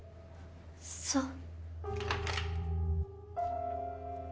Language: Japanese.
そう。